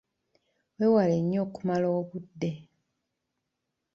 Weewala nnyo okumala obudde.